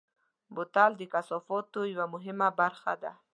بوتل د کثافاتو یوه مهمه برخه ده.